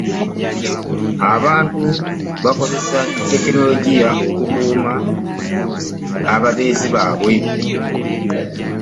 abantu bakozesa tekinologiya okukuuma ababeezi baabwe